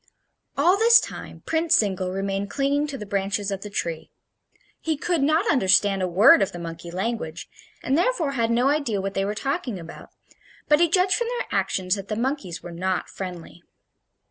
All this time Prince Zingle remained clinging to the branches of the tree. He could not understand a word of the monkey language, and therefore had no idea what they were talking about; but he judged from their actions that the monkeys were not friendly.